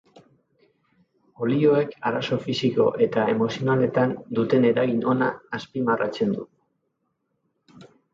Olioek arazo fisiko eta emozionaletan duten eragin ona azpimarratzen du.